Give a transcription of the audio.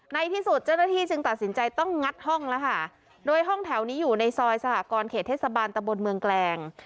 ในที่สุดเจ้าหน้าที่จึงตัดสินใจต้องงัดห้องแล้วค่ะโดยห้องแถวนี้อยู่ในซอยสหกรเขตเทศบาลตะบนเมืองแกลง